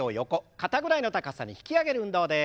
肩ぐらいの高さに引き上げる運動です。